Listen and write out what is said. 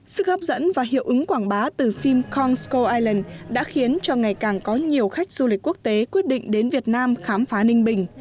sức hấp dẫn và hiệu ứng quảng bá từ phim consco ireland đã khiến cho ngày càng có nhiều khách du lịch quốc tế quyết định đến việt nam khám phá ninh bình